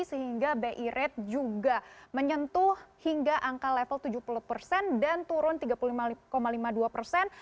sehingga bi rate juga menyentuh hingga angka level tujuh puluh persen dan turun tiga puluh lima lima puluh dua persen